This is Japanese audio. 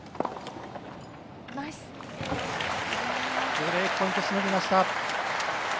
ブレークポイントしのぎました。